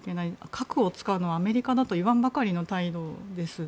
核を使うのはアメリカだといわんばかりの態度です。